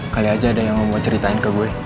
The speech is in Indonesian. kali aja ada yang mau ceritain ke gue